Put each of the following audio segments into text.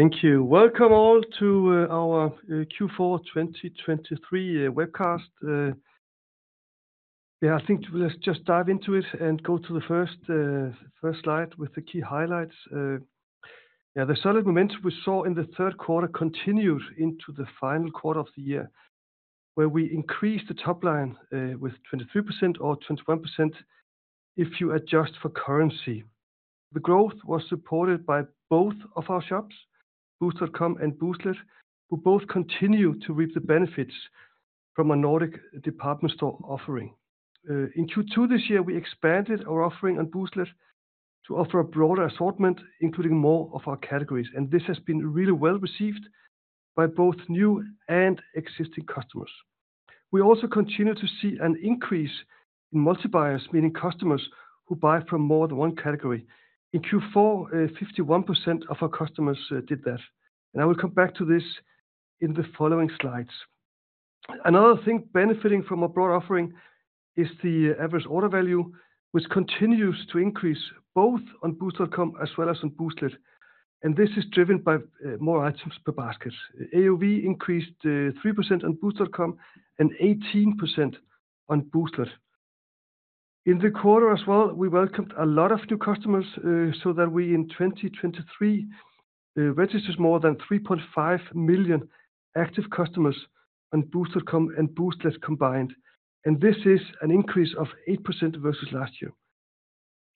Thank you. Welcome all to our Q4 2023 Webcast. Yeah, I think let's just dive into it and go to the first slide with the key highlights. Yeah, the solid momentum we saw in the Q3 continued into the final quarter of the year, where we increased the top line with 23% or 21%, if you adjust for currency. The growth was supported by both of our shops, Boozt.com and Booztlet, who both continue to reap the benefits from a Nordic department store offering. In Q2 this year, we expanded our offering on Booztlet to offer a broader assortment, including more of our categories, and this has been really well-received by both new and existing customers. We also continue to see an increase in multi-buyers, meaning customers who buy from more than one category. In Q4, 51% of our customers did that, and I will come back to this in the following slides. Another thing benefiting from a broad offering is the average order value, which continues to increase both on Boozt.com as well as on Booztlet, and this is driven by more items per basket. AOV increased 3% on Boozt.com and 18% on Booztlet. In the quarter as well, we welcomed a lot of new customers, so that we in 2023 registered more than 3.5 million active customers on Boozt.com and Booztlet combined, and this is an increase of 8% versus last year.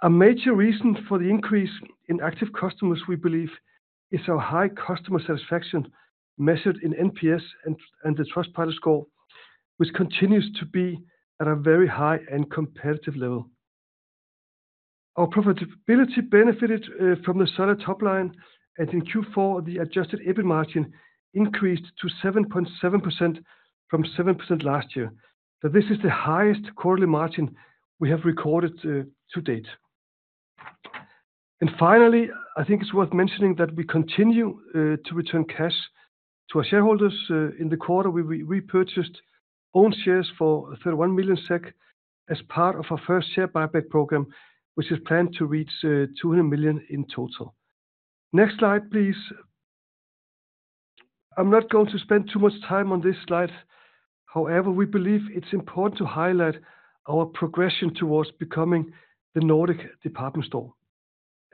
A major reason for the increase in active customers, we believe, is our high customer satisfaction, measured in NPS and the Trustpilot score, which continues to be at a very high and competitive level. Our profitability benefited from the solid top line, and in Q4, the adjusted EBIT margin increased to 7.7% from 7% last year. So this is the highest quarterly margin we have recorded to date. And finally, I think it's worth mentioning that we continue to return cash to our shareholders. In the quarter, we repurchased own shares for 31 million SEK as part of our first share buyback program, which is planned to reach 200 million in total. Next slide, please. I'm not going to spend too much time on this slide. However, we believe it's important to highlight our progression towards becoming the Nordic department store.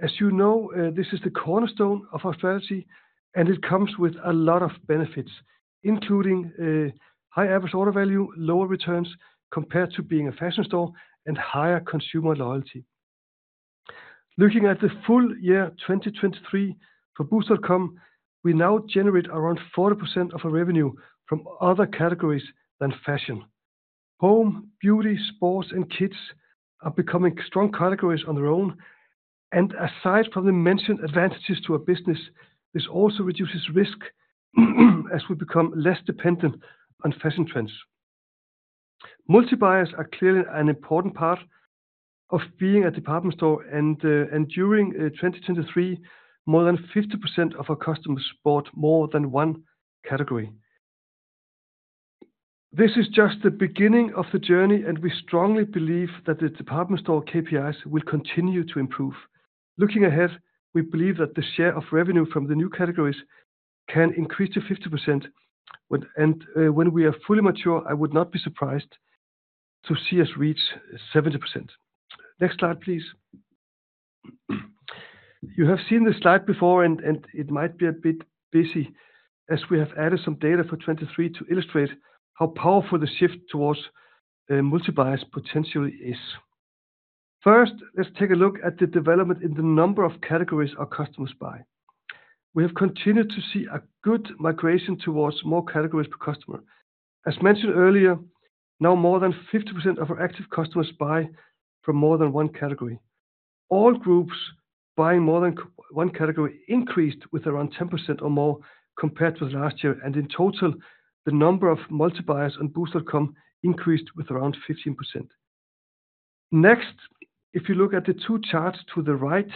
As you know, this is the cornerstone of our strategy, and it comes with a lot of benefits, including high average order value, lower returns compared to being a fashion store, and higher consumer loyalty. Looking at the full year 2023 for Boozt.com, we now generate around 40% of our revenue from other categories than fashion. Home, beauty, sports, and kids are becoming strong categories on their own, and aside from the mentioned advantages to our business, this also reduces risk, as we become less dependent on fashion trends. Multi-buyers are clearly an important part of being a department store, and during 2023, more than 50% of our customers bought more than one category. This is just the beginning of the journey, and we strongly believe that the department store KPIs will continue to improve. Looking ahead, we believe that the share of revenue from the new categories can increase to 50%, when we are fully mature. I would not be surprised to see us reach 70%. Next slide, please. You have seen this slide before, and it might be a bit busy, as we have added some data for 2023 to illustrate how powerful the shift towards multi-buyers potentially is. First, let's take a look at the development in the number of categories our customers buy. We have continued to see a good migration towards more categories per customer. As mentioned earlier, now more than 50% of our active customers buy from more than one category. All groups buying more than one category increased with around 10% or more compared to last year, and in total, the number of multi-buyers on Boozt.com increased with around 15%. Next, if you look at the two charts to the right,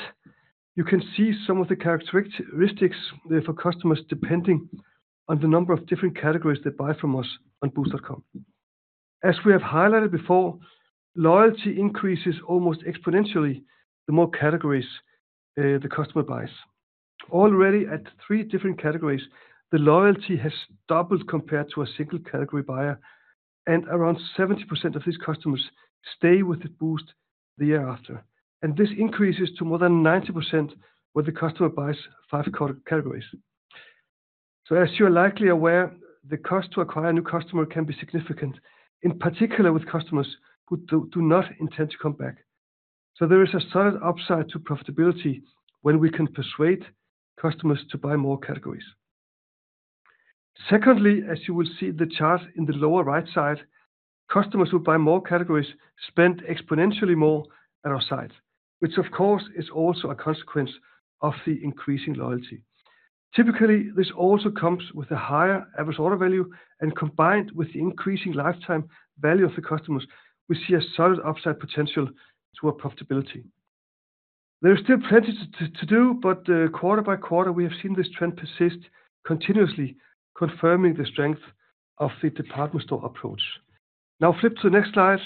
you can see some of the characteristics there for customers, depending on the number of different categories they buy from us on Boozt.com. As we have highlighted before, loyalty increases almost exponentially, the more categories the customer buys. Already at three different categories, the loyalty has doubled compared to a single-category buyer, and around 70% of these customers stay with Boozt the year after. And this increases to more than 90% when the customer buys five categories. So as you are likely aware, the cost to acquire a new customer can be significant, in particular with customers who do not intend to come back. So there is a solid upside to profitability when we can persuade customers to buy more categories. Secondly, as you will see the chart in the lower right side, customers who buy more categories spend exponentially more at our site, which of course is also a consequence of the increasing loyalty. Typically, this also comes with a higher average order value, and combined with the increasing lifetime value of the customers, we see a solid upside potential to our profitability. There is still plenty to do, but quarter by quarter, we have seen this trend persist, continuously confirming the strength of the department store approach. Now, flip to the next slide....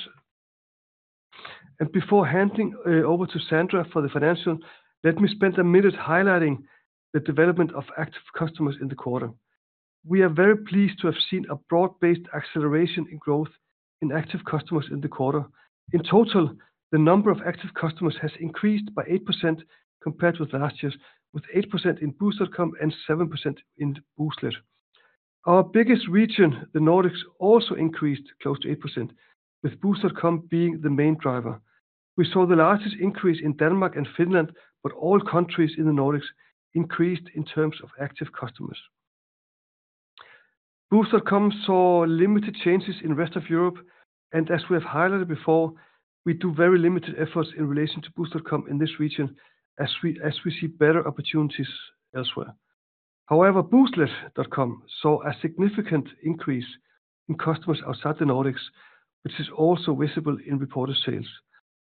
Before handing over to Sandra for the financial, let me spend a minute highlighting the development of active customers in the quarter. We are very pleased to have seen a broad-based acceleration in growth in active customers in the quarter. In total, the number of active customers has increased by 8% compared with last year, with 8% in Boozt.com and 7% in Booztlet. Our biggest region, the Nordics, also increased close to 8%, with Boozt.com being the main driver. We saw the largest increase in Denmark and Finland, but all countries in the Nordics increased in terms of active customers. Boozt.com saw limited changes in rest of Europe, and as we have highlighted before, we do very limited efforts in relation to Boozt.com in this region, as we see better opportunities elsewhere. However, Booztlet.com saw a significant increase in customers outside the Nordics, which is also visible in reported sales.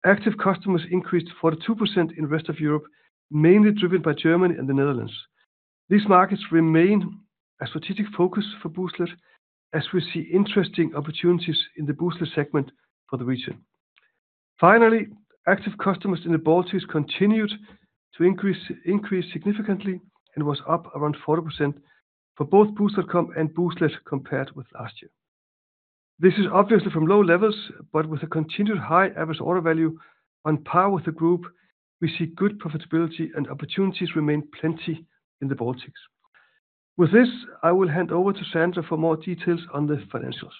Active customers increased 42% in rest of Europe, mainly driven by Germany and the Netherlands. These markets remain a strategic focus for Booztlet, as we see interesting opportunities in the Booztlet segment for the region. Finally, active customers in the Baltics continued to increase significantly and was up around 40% for both Boozt.com and Booztlet compared with last year. This is obviously from low levels, but with a continued high average order value on par with the group, we see good profitability and opportunities remain plenty in the Baltics. With this, I will hand over to Sandra for more details on the financials.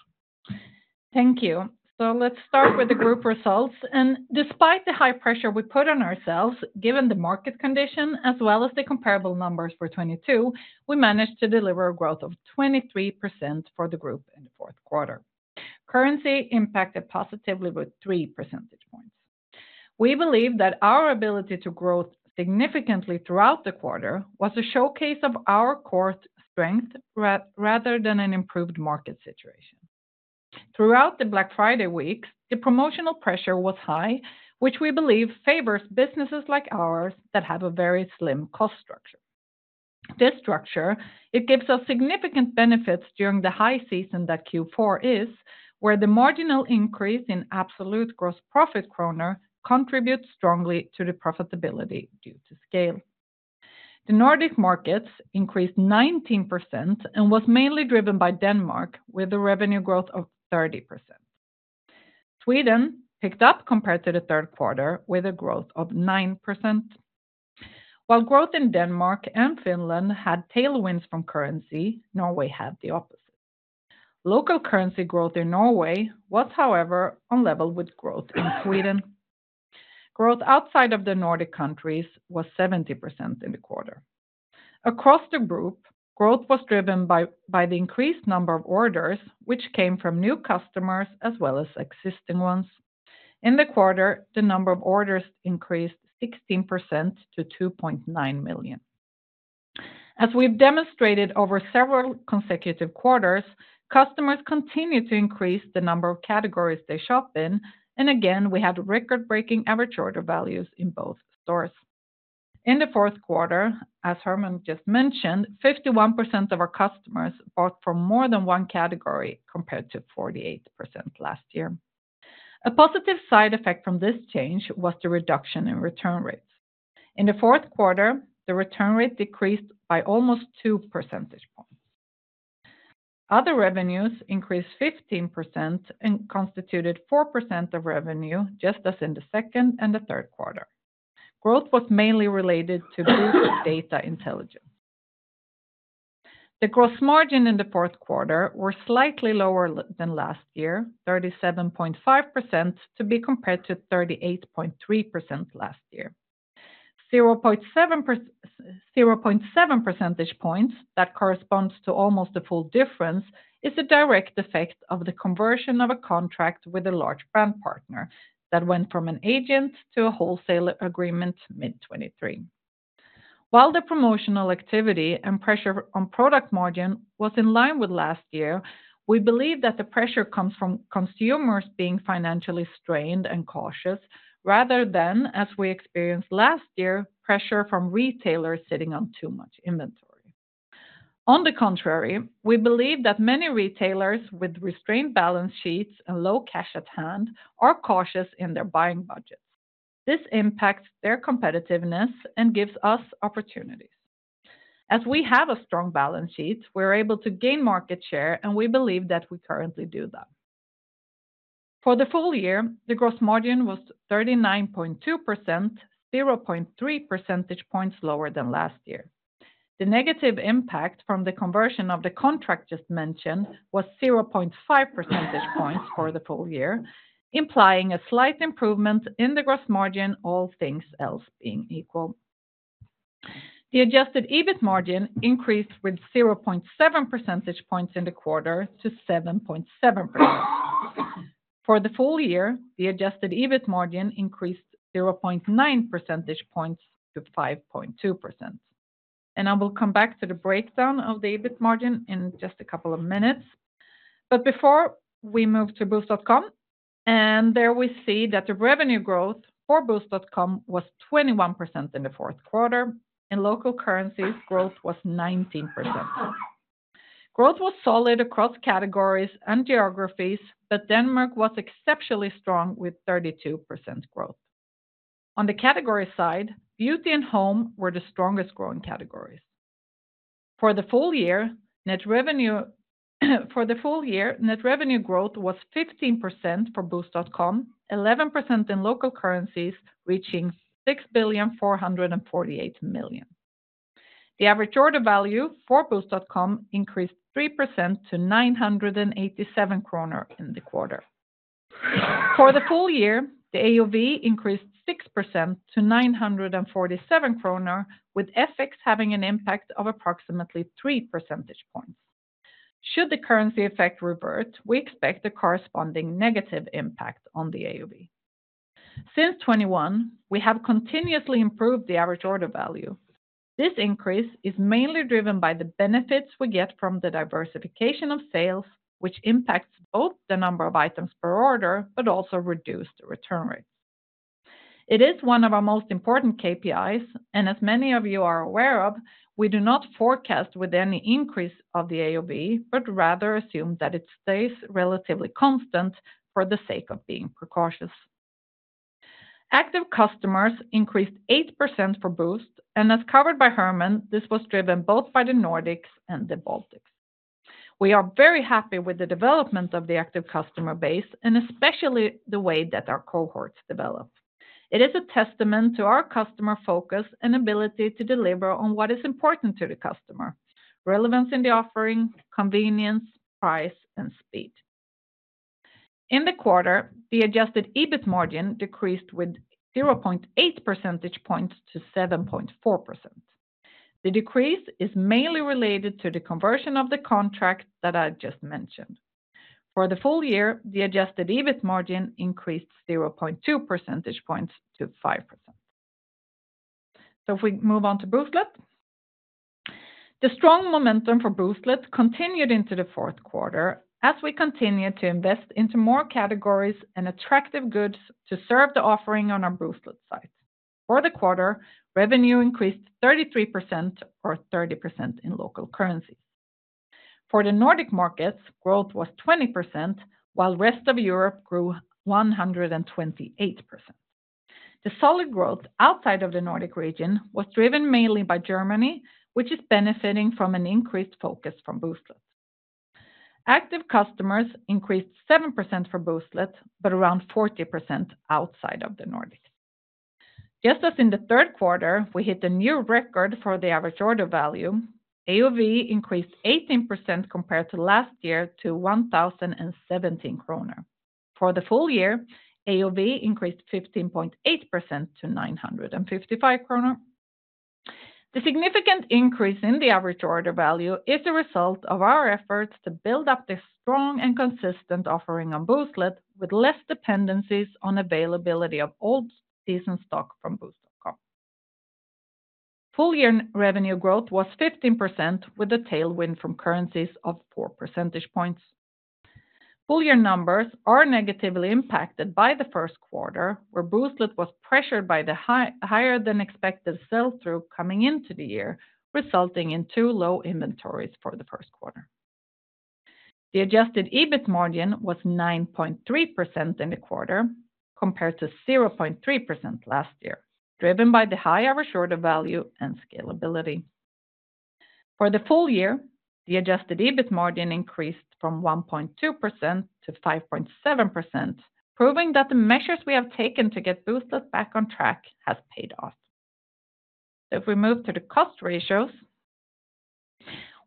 Thank you. So let's start with the group results, and despite the high pressure we put on ourselves, given the market condition as well as the comparable numbers for 22, we managed to deliver a growth of 23% for the group in the Q4. Currency impacted positively with 3 percentage points. We believe that our ability to grow significantly throughout the quarter was a showcase of our core strength rather than an improved market situation. Throughout the Black Friday week, the promotional pressure was high, which we believe favors businesses like ours that have a very slim cost structure. This structure, it gives us significant benefits during the high season that Q4 is, where the marginal increase in absolute gross profit kroner contributes strongly to the profitability due to scale. The Nordic markets increased 19% and was mainly driven by Denmark, with a revenue growth of 30%. Sweden picked up compared to the Q3, with a growth of 9%. While growth in Denmark and Finland had tailwinds from currency, Norway had the opposite. Local currency growth in Norway was, however, on level with growth in Sweden. Growth outside of the Nordic countries was 70% in the quarter. Across the group, growth was driven by the increased number of orders, which came from new customers as well as existing ones. In the quarter, the number of orders increased 16% to 2.9 million. As we've demonstrated over several consecutive quarters, customers continue to increase the number of categories they shop in, and again, we had record-breaking average order values in both stores. In the Q4, as Hermann just mentioned, 51% of our customers bought from more than one category compared to 48% last year. A positive side effect from this change was the reduction in return rates. In the Q4, the return rate decreased by almost two percentage points. Other revenues increased 15% and constituted 4% of revenue, just as in the second and the Q3. Growth was mainly related to data intelligence. The gross margin in the Q4 were slightly lower than last year, 37.5%, to be compared to 38.3% last year. 0.7 percentage points, that corresponds to almost the full difference, is a direct effect of the conversion of a contract with a large brand partner that went from an agent to a wholesaler agreement mid 2023. While the promotional activity and pressure on product margin was in line with last year, we believe that the pressure comes from consumers being financially strained and cautious, rather than, as we experienced last year, pressure from retailers sitting on too much inventory. On the contrary, we believe that many retailers with restrained balance sheets and low cash at hand are cautious in their buying budgets. This impacts their competitiveness and gives us opportunities. As we have a strong balance sheet, we're able to gain market share, and we believe that we currently do that. For the full year, the gross margin was 39.2%, 0.3 percentage points lower than last year. The negative impact from the conversion of the contract just mentioned was 0.5 percentage points for the full year, implying a slight improvement in the gross margin, all things else being equal. The adjusted EBIT margin increased with 0.7 percentage points in the quarter to 7.7%. For the full year, the adjusted EBIT margin increased 0.9 percentage points to 5.2%. And I will come back to the breakdown of the EBIT margin in just a couple of minutes. But before we move to Boozt.com, and there we see that the revenue growth for Boozt.com was 21% in the Q4, in local currencies, growth was 19%. ... Growth was solid across categories and geographies, but Denmark was exceptionally strong with 32% growth. On the category side, beauty and home were the strongest growing categories. For the full year, net revenue, for the full year, net revenue growth was 15% for Boozt.com, 11% in local currencies, reaching 6,448 million. The average order value for Boozt.com increased 3% to 987 kronor in the quarter. For the full year, the AOV increased 6% to 947 kronor, with FX having an impact of approximately three percentage points. Should the currency effect revert, we expect a corresponding negative impact on the AOV. Since 2021, we have continuously improved the average order value. This increase is mainly driven by the benefits we get from the diversification of sales, which impacts both the number of items per order, but also reduce the return rate. It is one of our most important KPIs, and as many of you are aware of, we do not forecast with any increase of the AOV, but rather assume that it stays relatively constant for the sake of being precautious. Active customers increased 8% for Boozt, and as covered by Hermann, this was driven both by the Nordics and the Baltics. We are very happy with the development of the active customer base, and especially the way that our cohorts develop. It is a testament to our customer focus and ability to deliver on what is important to the customer: relevance in the offering, convenience, price, and speed. In the quarter, the adjusted EBIT margin decreased with 0.8 percentage points to 7.4%. The decrease is mainly related to the conversion of the contract that I just mentioned. For the full year, the adjusted EBIT margin increased 0.2 percentage points to 5%. If we move on to Booztlet. The strong momentum for Booztlet continued into the Q4 as we continued to invest into more categories and attractive goods to serve the offering on our Booztlet site. For the quarter, revenue increased 33% or 30% in local currencies. For the Nordic markets, growth was 20%, while rest of Europe grew 128%. The solid growth outside of the Nordic region was driven mainly by Germany, which is benefiting from an increased focus from Booztlet. Active customers increased 7% for Booztlet, but around 40% outside of the Nordics. Just as in the Q3, we hit a new record for the average order value. AOV increased 18% compared to last year, to 1,017 kronor. For the full year, AOV increased 15.8% to 955 kronor. The significant increase in the average order value is a result of our efforts to build up this strong and consistent offering on Booztlet, with less dependencies on availability of old season stock from Boozt.com. Full year revenue growth was 15%, with a tailwind from currencies of 4 percentage points. Full year numbers are negatively impacted by the Q1, where Booztlet was pressured by the high, higher-than-expected sell-through coming into the year, resulting in too low inventories for the Q1. The adjusted EBIT margin was 9.3% in the quarter, compared to 0.3% last year, driven by the high average order value and scalability. For the full year, the adjusted EBIT margin increased from 1.2% to 5.7%, proving that the measures we have taken to get Booztlet back on track has paid off. So if we move to the cost ratios,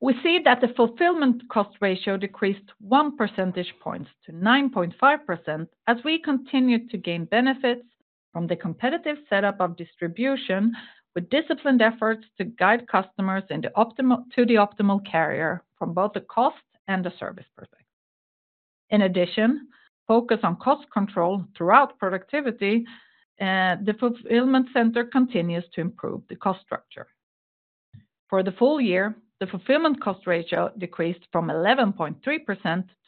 we see that the fulfillment cost ratio decreased 1 percentage points to 9.5% as we continued to gain benefits from the competitive setup of distribution, with disciplined efforts to guide customers in the optimal to the optimal carrier from both the cost and the service perspective. In addition, focus on cost control throughout productivity, the fulfillment center continues to improve the cost structure. For the full year, the fulfillment cost ratio decreased from 11.3%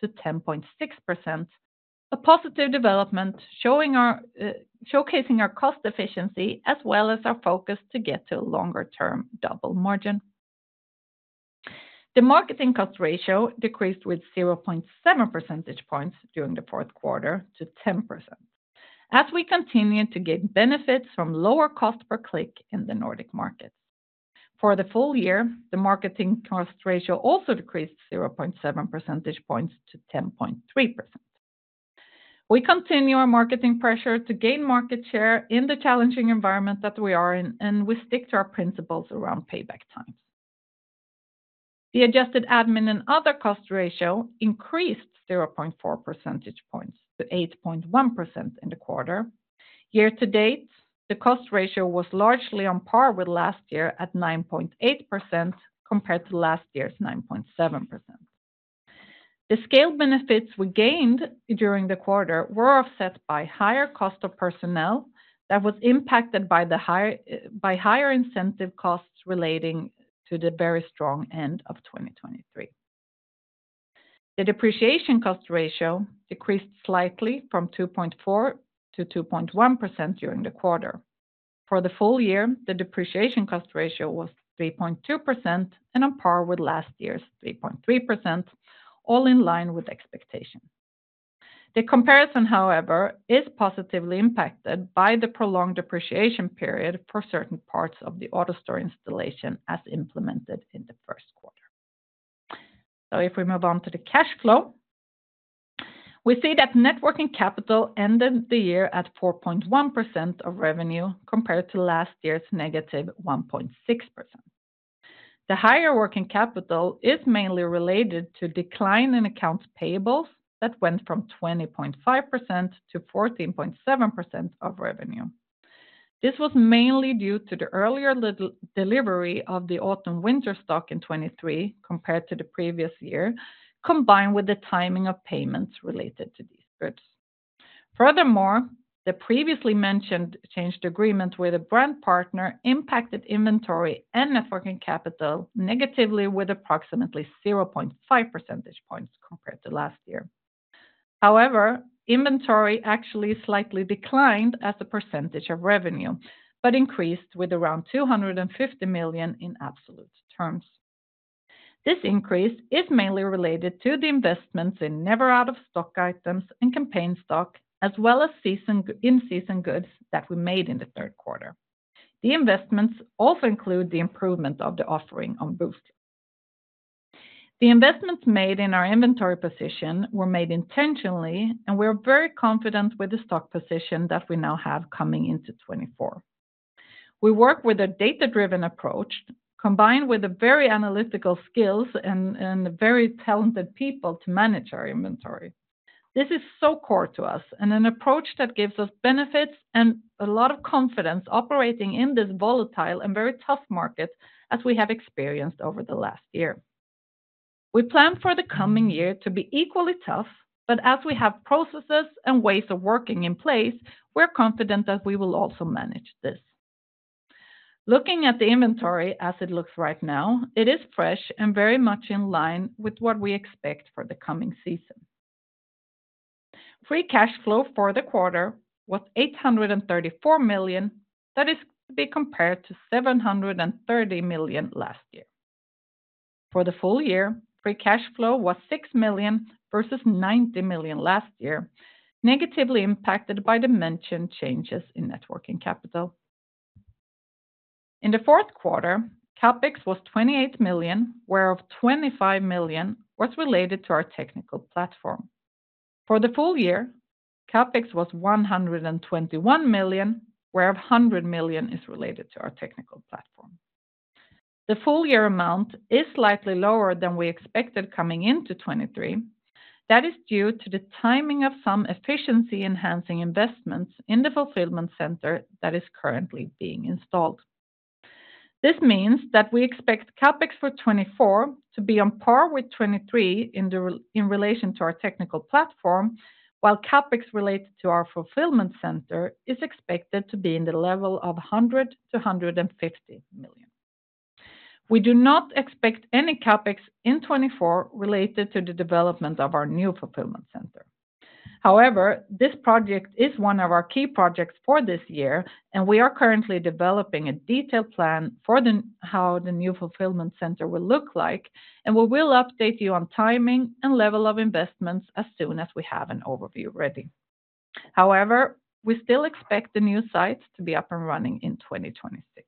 to 10.6%, a positive development, showing our showcasing our cost efficiency as well as our focus to get to a longer term double margin. The marketing cost ratio decreased with 0.7 percentage points during the Q4 to 10%. As we continue to gain benefits from lower cost per click in the Nordic markets. For the full year, the marketing cost ratio also decreased 0.7 percentage points to 10.3%. We continue our marketing pressure to gain market share in the challenging environment that we are in, and we stick to our principles around payback times. The adjusted admin and other cost ratio increased 0.4 percentage points to 8.1% in the quarter. Year to date, the cost ratio was largely on par with last year at 9.8%, compared to last year's 9.7%. The scale benefits we gained during the quarter were offset by higher cost of personnel that was impacted by higher incentive costs relating to the very strong end of 2023. The depreciation cost ratio decreased slightly from 2.4% to 2.1% during the quarter. For the full year, the depreciation cost ratio was 3.2% and on par with last year's 3.3%, all in line with expectations. The comparison, however, is positively impacted by the prolonged depreciation period for certain parts of the AutoStore installation as implemented in the Q1. So if we move on to the cash flow, we see that net working capital ended the year at 4.1% of revenue, compared to last year's negative 1.6%. The higher working capital is mainly related to decline in accounts payables that went from 20.5% to 14.7% of revenue. This was mainly due to the earlier delivery of the autumn/winter stock in 2023 compared to the previous year, combined with the timing of payments related to these goods. Furthermore, the previously mentioned changed agreement with a brand partner impacted inventory and net working capital negatively, with approximately 0.5 percentage points compared to last year. However, inventory actually slightly declined as a percentage of revenue, but increased with around 250 million in absolute terms. This increase is mainly related to the investments in never out of stock items and campaign stock, as well as in-season goods that we made in the Q3. The investments also include the improvement of the offering on Boozt. The investments made in our inventory position were made intentionally, and we're very confident with the stock position that we now have coming into 2024. We work with a data-driven approach, combined with a very analytical skills and very talented people to manage our inventory. This is so core to us, and an approach that gives us benefits and a lot of confidence operating in this volatile and very tough market as we have experienced over the last year. We plan for the coming year to be equally tough, but as we have processes and ways of working in place, we're confident that we will also manage this. Looking at the inventory as it looks right now, it is fresh and very much in line with what we expect for the coming season. Free cash flow for the quarter was 834 million, that is to be compared to 730 million last year. For the full year, free cash flow was 6 million versus 90 million last year, negatively impacted by the mentioned changes in net working capital. In the Q4, CapEx was 28 million, whereof 25 million was related to our technical platform. For the full year, CapEx was 121 million, whereof 100 million is related to our technical platform. The full year amount is slightly lower than we expected coming into 2023. That is due to the timing of some efficiency-enhancing investments in the fulfillment center that is currently being installed. This means that we expect CapEx for 2024 to be on par with 2023 in relation to our technical platform, while CapEx related to our fulfillment center is expected to be in the level of 100 million-150 million. We do not expect any CapEx in 2024 related to the development of our new fulfillment center. However, this project is one of our key projects for this year, and we are currently developing a detailed plan for how the new fulfillment center will look like, and we will update you on timing and level of investments as soon as we have an overview ready. However, we still expect the new site to be up and running in 2026.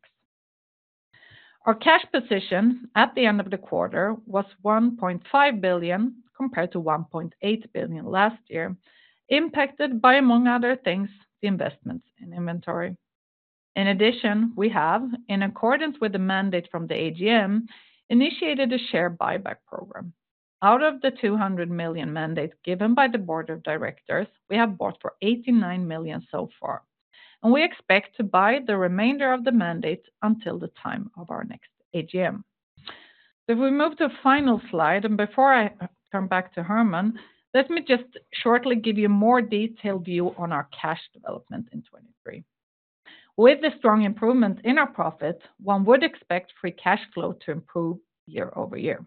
Our cash position at the end of the quarter was 1.5 billion, compared to 1.8 billion last year, impacted by, among other things, the investments in inventory. In addition, we have, in accordance with the mandate from the AGM, initiated a share buyback program. Out of the 200 million mandate given by the board of directors, we have bought for 89 million so far, and we expect to buy the remainder of the mandate until the time of our next AGM. So if we move to the final slide, and before I come back to Hermann, let me just shortly give you a more detailed view on our cash development in 2023. With the strong improvement in our profit, one would expect free cash flow to improve year-over-year.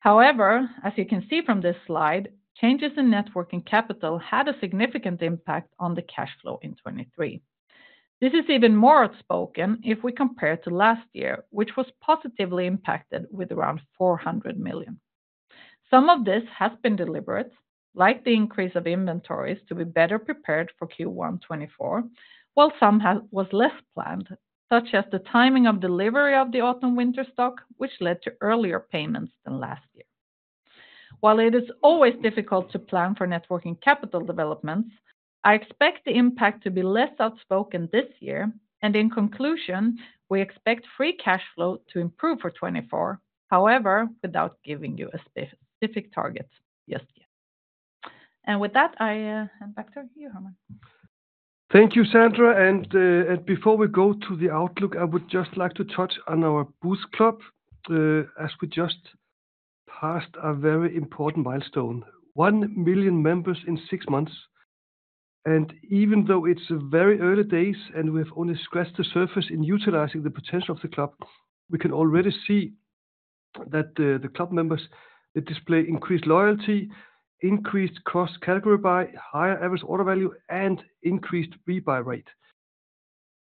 However, as you can see from this slide, changes in net working capital had a significant impact on the cash flow in 2023. This is even more outspoken if we compare to last year, which was positively impacted with around 400 million. Some of this has been deliberate, like the increase of inventories to be better prepared for Q1 2024, while some was less planned, such as the timing of delivery of the autumn/winter stock, which led to earlier payments than last year. While it is always difficult to plan for net working capital developments, I expect the impact to be less outspoken this year, and in conclusion, we expect free cash flow to improve for 2024. However, without giving you a specific target just yet. And with that, I hand back to you, Hermann. Thank you, Sandra, and, and before we go to the outlook, I would just like to touch on our Boozt Club, as we just passed a very important milestone, 1 million members in six months... And even though it's very early days, and we've only scratched the surface in utilizing the potential of the club, we can already see that the, the club members, they display increased loyalty, increased cross category buy, higher average order value, and increased rebuy rate.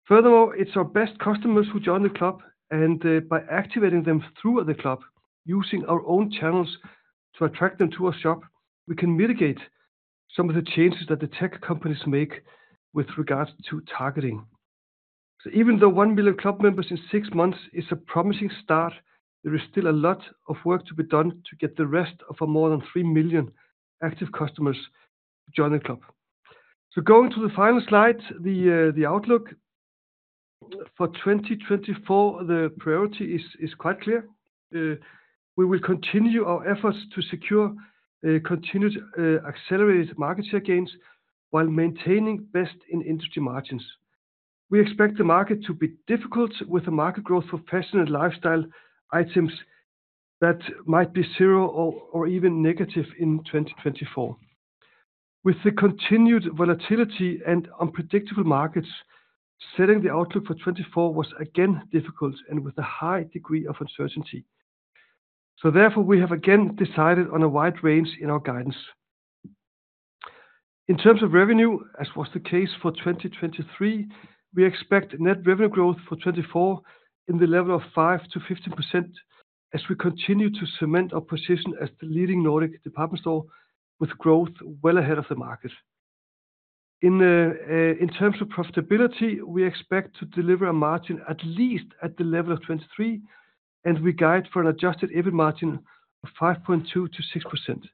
Furthermore, it's our best customers who join the club, and, by activating them through the club, using our own channels to attract them to our shop, we can mitigate some of the changes that the tech companies make with regards to targeting. So even though 1 million club members in 6 months is a promising start, there is still a lot of work to be done to get the rest of our more than 3 million active customers to join the club. So going to the final slide, the outlook. For 2024, the priority is quite clear. We will continue our efforts to secure continued accelerated market share gains while maintaining best-in-industry margins. We expect the market to be difficult, with the market growth for fashion and lifestyle items that might be zero or even negative in 2024. With the continued volatility and unpredictable markets, setting the outlook for 2024 was again difficult and with a high degree of uncertainty. So therefore, we have again decided on a wide range in our guidance. In terms of revenue, as was the case for 2023, we expect net revenue growth for 2024 in the level of 5%-15%, as we continue to cement our position as the leading Nordic department store, with growth well ahead of the market. In terms of profitability, we expect to deliver a margin at least at the level of 2023, and we guide for an adjusted EBIT margin of 5.2%-6%.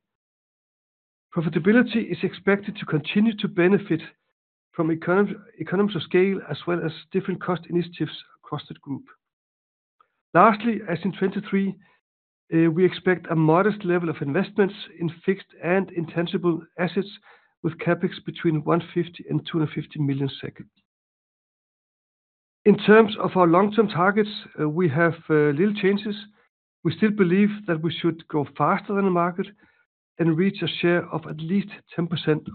Profitability is expected to continue to benefit from economies of scale, as well as different cost initiatives across the group. Lastly, as in 2023, we expect a modest level of investments in fixed and intangible assets, with CapEx between 150 million and 250 million. In terms of our long-term targets, we have little changes. We still believe that we should grow faster than the market and reach a share of at least 10%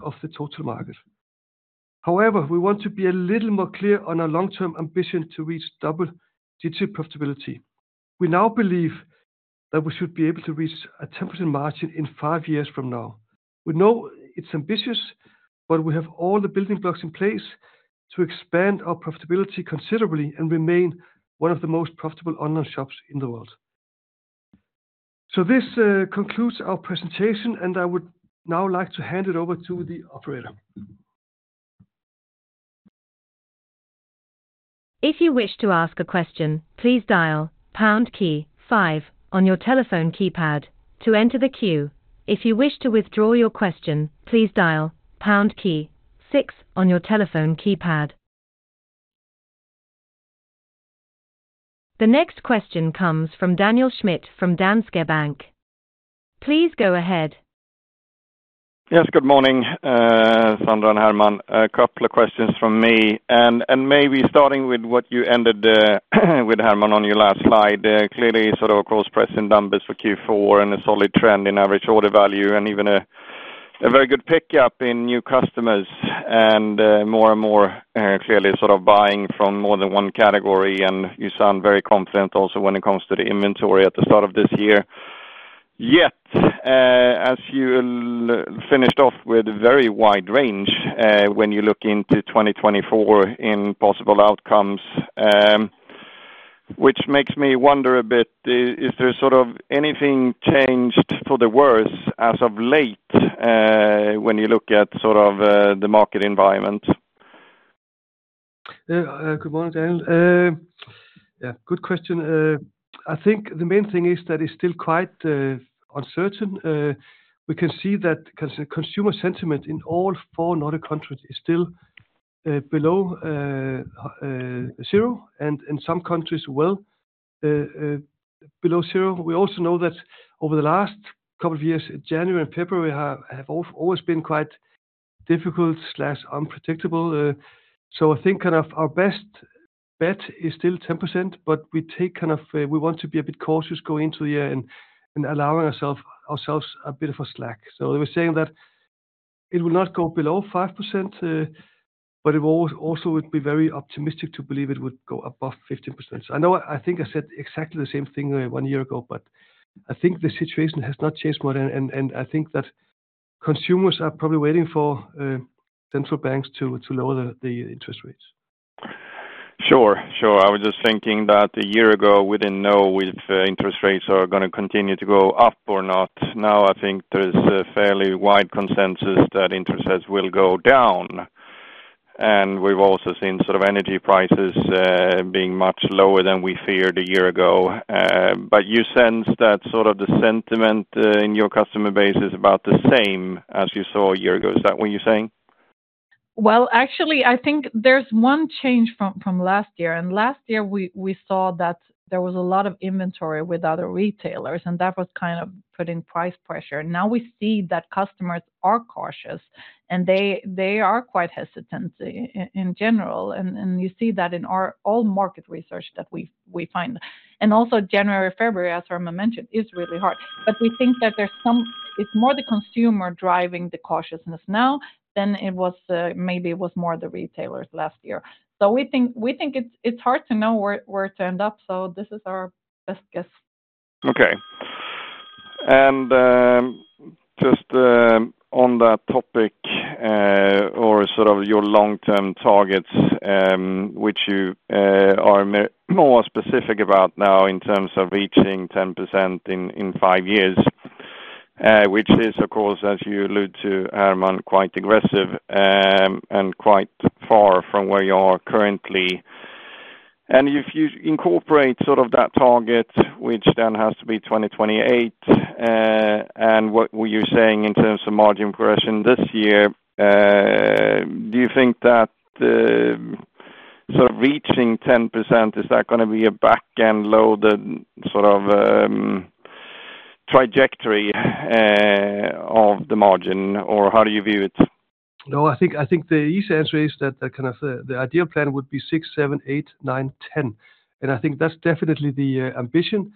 of the total market. However, we want to be a little more clear on our long-term ambition to reach double-digit profitability. We now believe that we should be able to reach a 10% margin in 5 years from now. We know it's ambitious, but we have all the building blocks in place to expand our profitability considerably and remain one of the most profitable online shops in the world. So this concludes our presentation, and I would now like to hand it over to the operator. If you wish to ask a question, please dial pound key five on your telephone keypad to enter the queue. If you wish to withdraw your question, please dial pound key six on your telephone keypad. The next question comes from Daniel Schmidt from Danske Bank. Please go ahead. Yes, good morning, Sandra and Hermann. A couple of questions from me, and maybe starting with what you ended with Hermann on your last slide. Clearly, sort of impressive numbers for Q4 and a solid trend in average order value, and even a very good pick-up in new customers, and more and more clearly sort of buying from more than one category, and you sound very confident also when it comes to the inventory at the start of this year. Yet, as you finished off with a very wide range when you look into 2024 in possible outcomes, which makes me wonder a bit, is there sort of anything changed for the worse as of late when you look at sort of the market environment? Good morning, Daniel. Yeah, good question. I think the main thing is that it's still quite uncertain. We can see that consumer sentiment in all four Nordic countries is still below zero, and in some countries, well, below zero. We also know that over the last couple of years, January and February have always been quite difficult/unpredictable. So I think kind of our best bet is still 10%, but we take kind of we want to be a bit cautious going into the year and allowing ourselves a bit of a slack. So we're saying that it will not go below 5%, but it also would be very optimistic to believe it would go above 15%. I know, I think I said exactly the same thing one year ago, but I think the situation has not changed much, and I think that consumers are probably waiting for central banks to lower the interest rates. Sure, sure. I was just thinking that a year ago, we didn't know if interest rates are gonna continue to go up or not. Now, I think there's a fairly wide consensus that interest rates will go down, and we've also seen sort of energy prices being much lower than we feared a year ago. But you sense that sort of the sentiment in your customer base is about the same as you saw a year ago. Is that what you're saying? Well, actually, I think there's one change from last year, and last year we saw that there was a lot of inventory with other retailers, and that was kind of putting price pressure. Now we see that customers are cautious, and they are quite hesitant in general, and you see that in our all market research that we find. And also January, February, as Hermann mentioned, is really hard. But we think that there's some - it's more the consumer driving the cautiousness now than it was, maybe it was more the retailers last year. So we think it's hard to know where it end up, so this is our best guess. Okay. And just on that topic, or sort of your long-term targets, which you are more specific about now in terms of reaching 10% in 5 years, which is, of course, as you allude to, Hermann, quite aggressive, and quite far from where you are currently. And if you incorporate sort of that target, which then has to be 2028, and what were you saying in terms of margin progression this year, do you think that the sort of reaching 10%, is that going to be a back-end loaded sort of trajectory of the margin, or how do you view it? No, I think the easy answer is that the ideal plan would be 6, 7, 8, 9, 10, and I think that's definitely the ambition.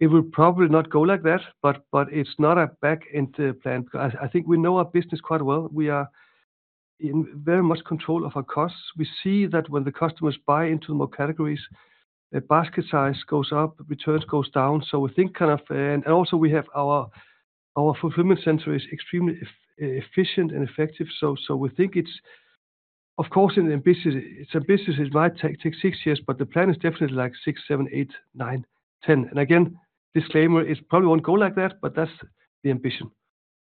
It will probably not go like that, but it's not a back into plan. I think we know our business quite well. We are in very much control of our costs. We see that when the customers buy into more categories, the basket size goes up, returns goes down. So we think kind of... And also we have our fulfillment center is extremely efficient and effective. So we think it's, of course, it's an ambition. Its ambition might take six years, but the plan is definitely like 6, 7, 8, 9, 10. And again, disclaimer, it probably won't go like that, but that's the ambition.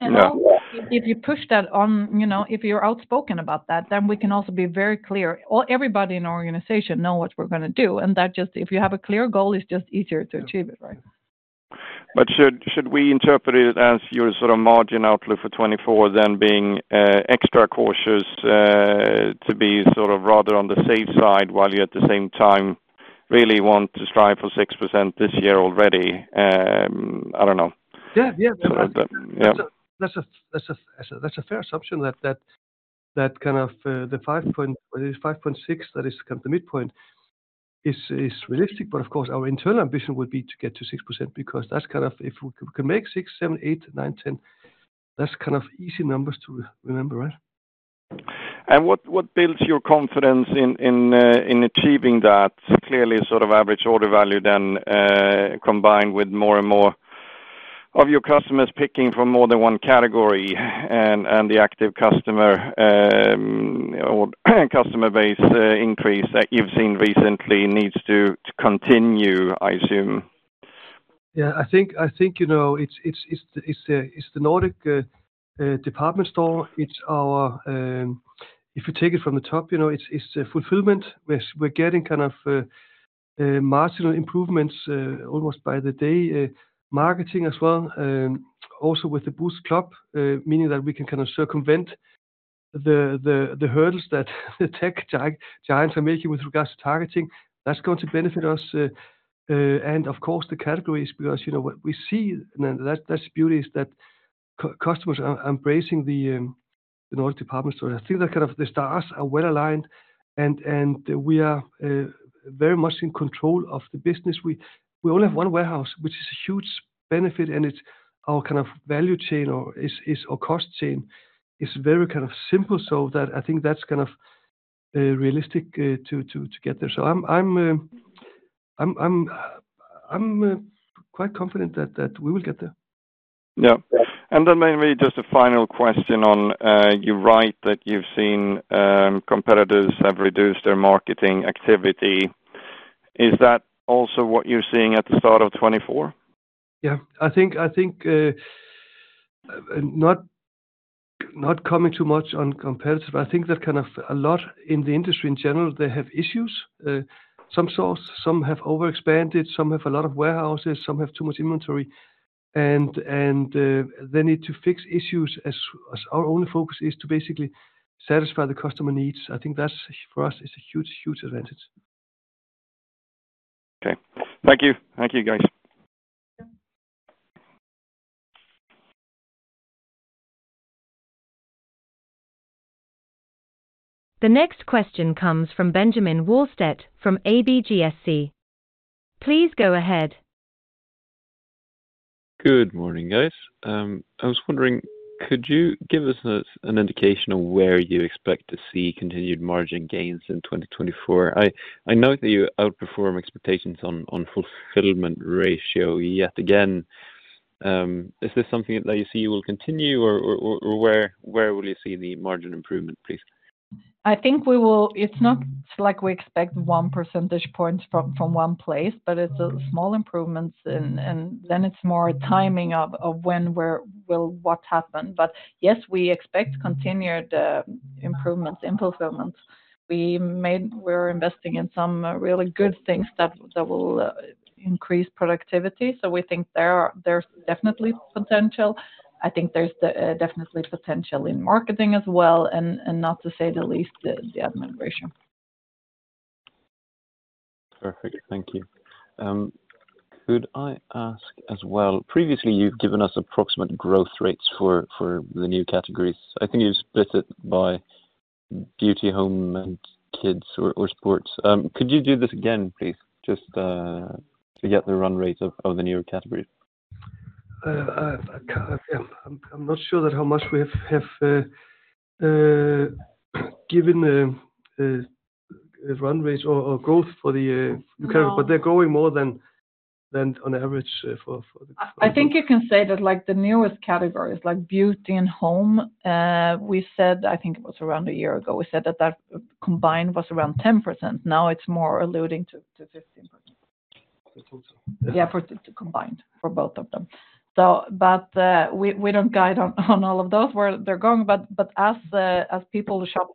And also if you push that on, you know, if you're outspoken about that, then we can also be very clear. All everybody in our organization know what we're going to do, and that just, if you have a clear goal, it's just easier to achieve it, right? Should we interpret it as your sort of margin outlook for 2024, then being extra cautious to be sort of rather on the safe side, while you at the same time really want to strive for 6% this year already? I don't know. Yeah, yeah. Yeah. That's a fair assumption that kind of the 5%, whether it's 5.6%, that is kind of the midpoint, is realistic. But of course, our internal ambition would be to get to 6%, because that's kind of, if we can make 6, 7, 8, 9, 10, that's kind of easy numbers to remember, right? And what builds your confidence in achieving that? Clearly, sort of average order value then, combined with more and more of your customers picking from more than one category, and the active customer or customer base increase that you've seen recently needs to continue, I assume. Yeah, I think, I think, you know, it's the Nordic department store. It's our, if you take it from the top, you know, it's a fulfillment. We're getting kind of marginal improvements almost by the day, marketing as well, also with the Boozt Club, meaning that we can kind of circumvent the hurdles that the tech giants are making with regards to targeting. That's going to benefit us, and of course, the categories, because, you know, what we see, and then that's beauty is that customers are embracing the Nordic department store. I think that kind of the stars are well aligned and we are very much in control of the business. We only have one warehouse, which is a huge benefit, and it's our kind of value chain or is our cost chain. It's very kind of simple, so that I think that's kind of realistic to get there. So I'm quite confident that we will get there. Yeah. And then maybe just a final question on, you write that you've seen, competitors have reduced their marketing activity. Is that also what you're seeing at the start of 2024? Yeah, I think not commenting too much on the competition. I think there's kind of a lot in the industry in general. They have issues. Some, some have overexpanded, some have a lot of warehouses, some have too much inventory, and they need to fix issues, as our only focus is to basically satisfy the customer needs. I think that's, for us, it's a huge, huge advantage. Okay. Thank you. Thank you, guys. The next question comes from Benjamin Wahlstedt from ABGSC. Please go ahead. Good morning, guys. I was wondering, could you give us an indication of where you expect to see continued margin gains in 2024? I note that you outperform expectations on fulfillment ratio yet again. Is this something that you see will continue or where will you see the margin improvement, please? I think we will. It's not like we expect 1 percentage point from one place, but it's small improvements and then it's more timing of when, where will what happen. But yes, we expect continued improvements in fulfillment. We're investing in some really good things that will increase productivity. So we think there's definitely potential. I think there's definitely potential in marketing as well, and not to say the least, the administration. Perfect. Thank you. Could I ask as well, previously you've given us approximate growth rates for, for the new categories. I think you've split it by beauty, home, and kids or, or sports. Could you do this again, please? Just to get the run rate of, of the newer categories. I'm not sure how much we have given the run rate or growth for the category- No. But they're growing more than on average for the- I think you can say that, like, the newest categories, like beauty and home, we said, I think it was around a year ago, we said that that combined was around 10%. Now it's more alluding to 15%. I thought so. Yeah, for the combined, for both of them. So but, we don't guide on all of those where they're going, but as people shop,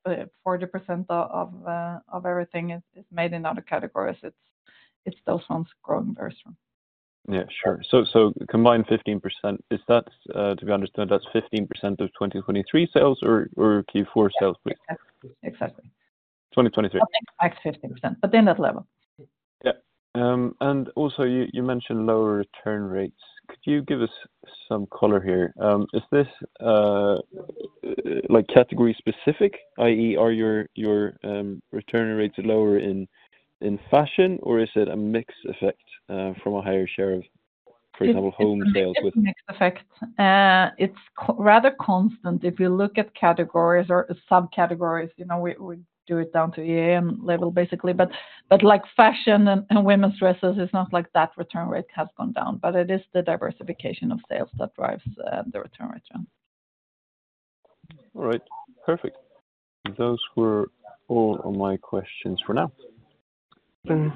40% of everything is made in other categories, it still sounds growing very strong. Yeah, sure. So, combined 15%, is that to be understood, that's 15% of 2023 sales or Q4 sales? Yes. Ex-exactly. Twenty twenty-three. Like 15%, but in that level. Yeah. Also you, you mentioned lower return rates. Could you give us some color here? Is this, like, category specific? i.e., are your, your, return rates lower in, in fashion, or is it a mix effect, from a higher share of, for example, home sales with- It's a mix effect. It's rather constant. If you look at categories or subcategories, you know, we do it down to item level, basically. But like fashion and women's dresses, it's not like that return rate has gone down, but it is the diversification of sales that drives the return rate down. All right. Perfect. Those were all of my questions for now. Mm.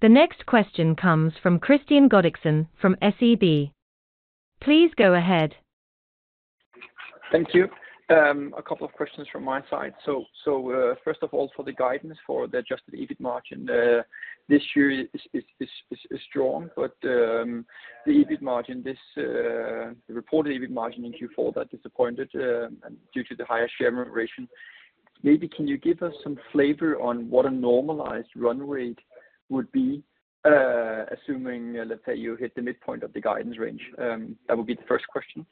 The next question comes from Kristian Godiksen, from SEB. Please go ahead. Thank you. A couple of questions from my side. First of all, for the guidance for the adjusted EBIT margin, this year is strong, but the EBIT margin, the reported EBIT margin in Q4, that disappointed, and due to the higher share ratio. Maybe can you give us some flavor on what a normalized run rate would be, assuming, let's say, you hit the midpoint of the guidance range? That would be the first question.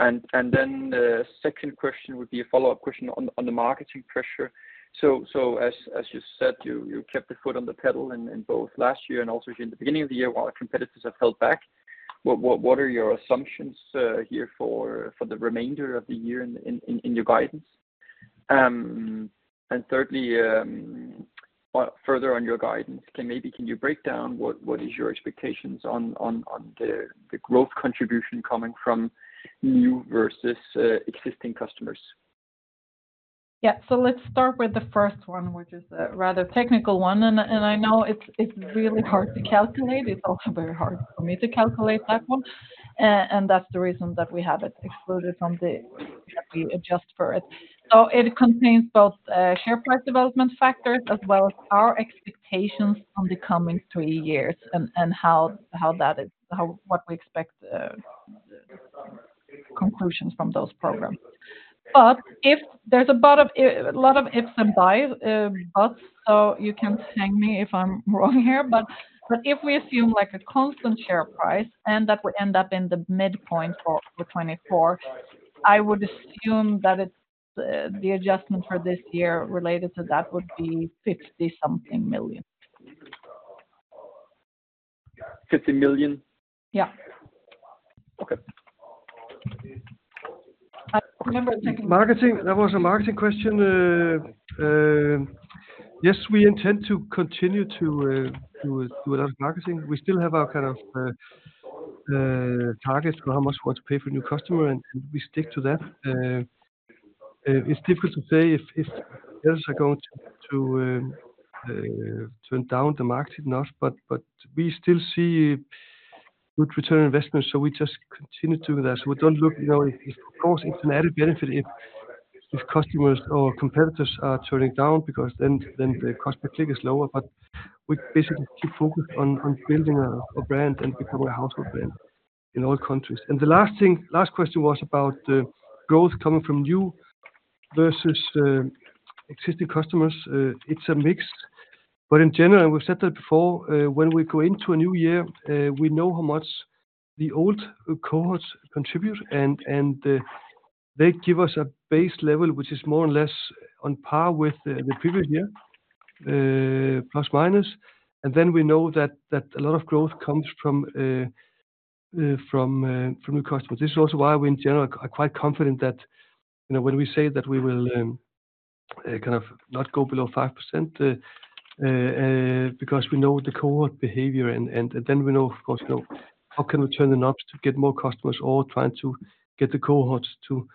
And then the second question would be a follow-up question on the marketing pressure. So as you said, you kept the foot on the pedal in both last year and also in the beginning of the year, while our competitors have held back. What are your assumptions here for the remainder of the year in your guidance? And thirdly, well, further on your guidance, can you break down what is your expectations on the growth contribution coming from new versus existing customers? Yeah. So let's start with the first one, which is a rather technical one, and I know it's really hard to calculate. It's also very hard for me to calculate that one, and that's the reason that we have it excluded from the... We adjust for it. So it contains both share price development factors as well as our expectations on the coming three years and how that is, what we expect conclusions from those programs. But if there's a lot of ifs and buts, so you can thank me if I'm wrong here. But if we assume, like, a constant share price, and that would end up in the midpoint for 2024, I would assume that it's the adjustment for this year related to that would be 50-something million. Fifty million? Yeah. Okay. I remember taking- Marketing. There was a marketing question. Yes, we intend to continue to do a lot of marketing. We still have our kind of targets on how much we want to pay for new customer, and we stick to that. It's difficult to say if others are going to turn down the market enough, but we still see good return on investment, so we just continue to do that. So we don't look, you know, of course, it's an added benefit if customers or competitors are turning down because then the cost per click is lower. But we basically keep focused on building a brand and become a household brand in all countries. And the last thing, last question was about the growth coming from new versus existing customers. It's a mix, but in general, we've said that before, when we go into a new year, we know how much the old cohorts contribute, and they give us a base level, which is more or less on par with the previous year, plus, minus. And then we know that a lot of growth comes from new customers. This is also why we, in general, are quite confident that, you know, when we say that we will kind of not go below 5%, because we know the cohort behavior, and then we know, of course, you know, how we can turn the knobs to get more customers or trying to get the cohorts to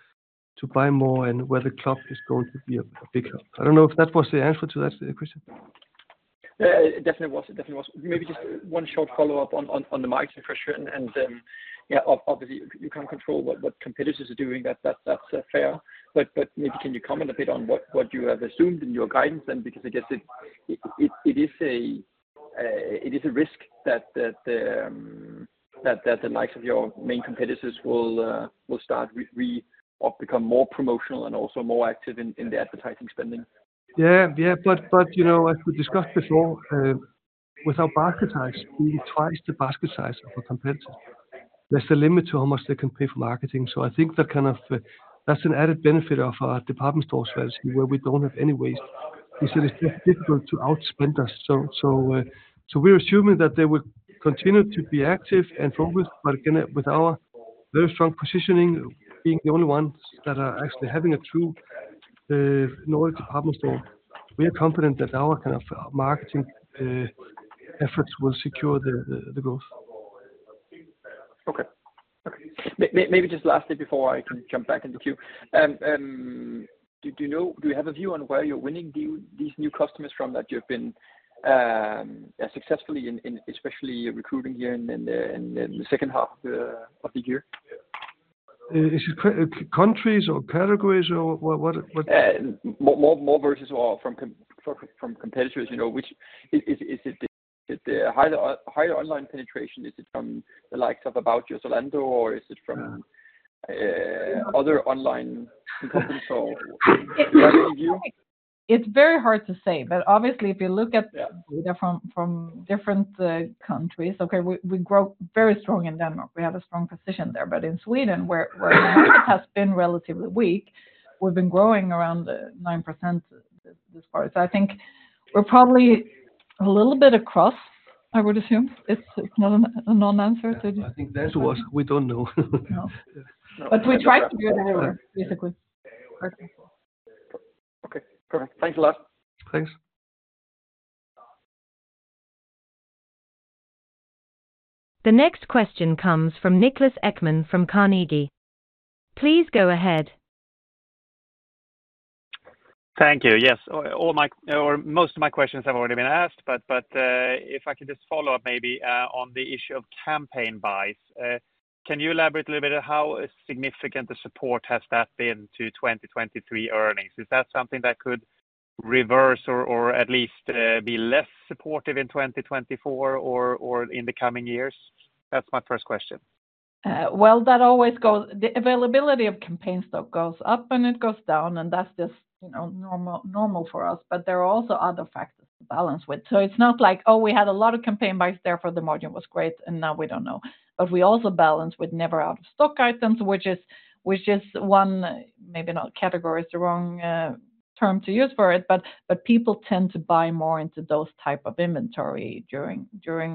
buy more and where the club is going to be a big help. I don't know if that was the answer to that question. Yeah, it definitely was. It definitely was. Maybe just one short follow-up on the market pressure, and yeah, obviously you can't control what competitors are doing. That's fair, but maybe can you comment a bit on what you have assumed in your guidance then? Because I guess it is a risk that the likes of your main competitors will start reacting or become more promotional and also more active in the advertising spending. Yeah, yeah. But, you know, as we discussed before, with our basket size, we twice the basket size of a competitor. There's a limit to how much they can pay for marketing. So I think that kind of that's an added benefit of our department store strategy, where we don't have any waste... We said it's just difficult to outspend us. So, we're assuming that they would continue to be active and focus, but again, with our very strong positioning, being the only ones that are actually having a true Nordic department. So we are confident that our kind of marketing efforts will secure the growth. Okay. Maybe just lastly, before I jump back in the queue. Do you know, do you have a view on where you're winning these new customers from, that you've been successfully, especially recruiting here in the second half of the year? Is it countries or categories or what, what, what? More versus all from competitors, you know, which is it the higher online penetration? Is it from the likes of About You or Zalando, or is it from other online companies or- It's very hard to say, but obviously, if you look at- Yeah... them from different countries. Okay, we grow very strong in Denmark. We have a strong position there, but in Sweden, where it has been relatively weak, we've been growing around 9% this far. So I think we're probably a little bit across, I would assume. It's not a non-answer. I think that's what we don't know. No. But we try to do it everywhere, basically. Okay. Okay, perfect. Thanks a lot. Thanks. The next question comes from Niklas Ekman from Carnegie. Please go ahead. Thank you. Yes, all my or most of my questions have already been asked, but if I could just follow up maybe on the issue of campaign buys. Can you elaborate a little bit on how significant the support has that been to 2023 earnings? Is that something that could reverse or at least be less supportive in 2024 or in the coming years? That's my first question. Well, that always goes. The availability of campaign stock goes up, and it goes down, and that's just, you know, normal for us. But there are also other factors to balance with. So it's not like, oh, we had a lot of campaign buys there, therefore the margin was great, and now we don't know. But we also balance with never out-of-stock items, which is one, maybe not category is the wrong term to use for it, but people tend to buy more into those type of inventory during